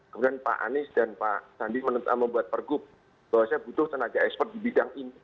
kemudian pak anies dan pak sandi membuat pergub bahwa saya butuh tenaga ekspor di bidang ini